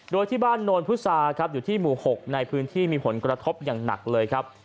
โดยที่บ้านโนนพุษาครับอยู่ที่หมู่๖ในพื้นที่มีผลกระทบอย่างหนักเลยครับ